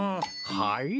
はい？